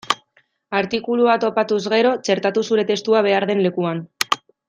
Artikulua topatuz gero, txertatu zure testua behar den lekuan.